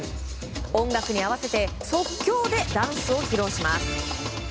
音楽に合わせて即興でダンスを披露します。